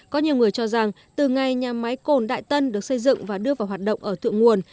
có nhiều người cho rằng từ ngày nhà máy cồn đại tân được xây dựng và đưa vào hoạt động ở thượng nguồn